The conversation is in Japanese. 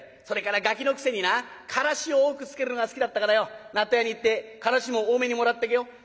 それからガキのくせになからし多くつけるのが好きだったからよ納豆屋に言ってからしも多めにもらっとけよ」。